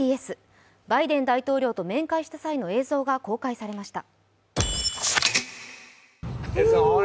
バイデン大統領と面会した際の映像が公開されました。